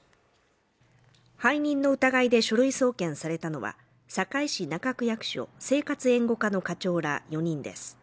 背任の疑いで書類送検されたのは、堺市中区役所生活援護課の課長ら４人です。